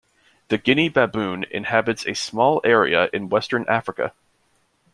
The Guinea baboon inhabits a small area in western Africa.